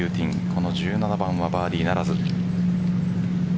この１７番はバーディーならず。